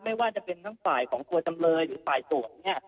ไม่ว่าจะเป็นทั้งฝ่ายของตัวจำเลยหรือฝ่ายโสดเนี่ย